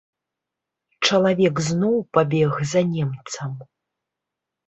Чалавек зноў пабег за немцам.